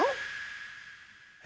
え？